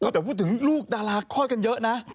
แต่พูดถึงลูกดาราคลอดกันเยอะนะ